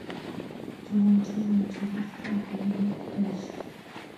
چې غونچې غونچې د سرو ګلونو ټل شي